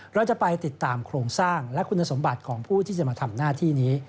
เราจะไปติดตามโครงสร้างและคุณสมบัติของผู้ที่จะมาทำหน้าที่นี้